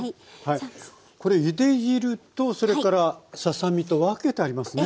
これゆで汁とそれからささ身と分けてありますね。